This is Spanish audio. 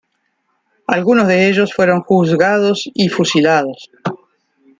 Algunos de ellos fueron juzgados y fusilados.